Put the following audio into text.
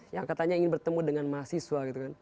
yang katanya ingin bertemu dengan mahasiswa